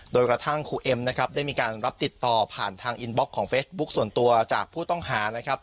โดยกระทั่งครูเอ็มนะครับได้มีการรับติดต่อผ่านทางอินบล็อกของเฟซบุ๊คส่วนตัวจากผู้ต้องหานะครับ